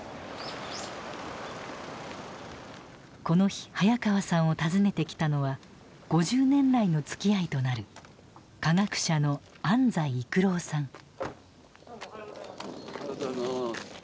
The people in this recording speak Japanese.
この日早川さんを訪ねてきたのは５０年来のつきあいとなる科学者の安斎育郎さん。